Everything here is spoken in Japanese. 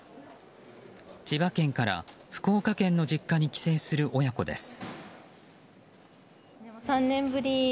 千葉県から福岡県の実家に帰省する親子です。